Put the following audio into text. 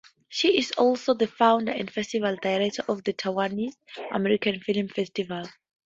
She is also the founder and festival director of the Taiwanese American Film Festival.